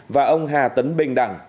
và ông hà tấn bình đặng